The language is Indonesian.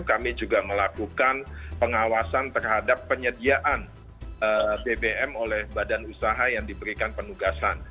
kami juga melakukan pengawasan terhadap penyediaan bbm oleh badan usaha yang diberikan penugasan